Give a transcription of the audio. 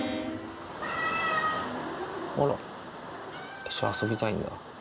あら、一緒に遊びたいんだ。